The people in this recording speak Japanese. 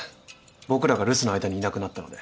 僕らが留守の間にいなくなったので。